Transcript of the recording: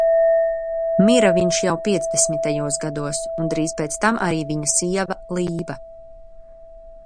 Mira viņš jau piecdesmitajos gados un drīz pēc tam arī viņa sieva Lība.